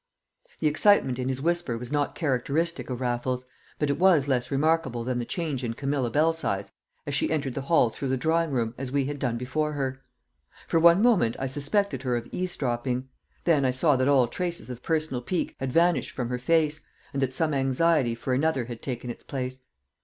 The excitement in his whisper was not characteristic of Raffles, but it was less remarkable than the change in Camilla Belsize as she entered the hall through the drawing room as we had done before her. For one moment I suspected her of eavesdropping; then I saw that all traces of personal pique had vanished from her face, and that some anxiety for another had taken its place.